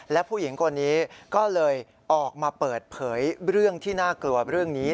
และผู้หญิงคนนี้ก็เลยออกมาเปิดเผยเรื่องที่น่ากลัวเรื่องนี้